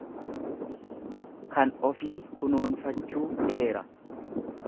Kan ofii kunuunfachuu eera.